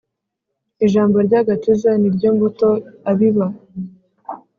Ijambo ry’agakiza niryo mbuto abiba